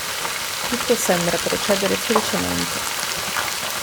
Tutto sembra procedere felicemente.